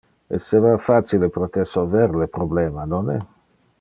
Esseva facile pro te solver le problema, nonne?